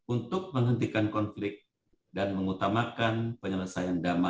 untuk menghentikan konflik dan mengutamakan penyelesaian damai